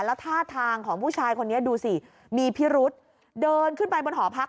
แล้วท่าทางของผู้ชายคนนี้ดูสิมีพิรุษเดินขึ้นไปบนหอพัก